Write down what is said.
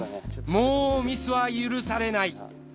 もうミスは許されない。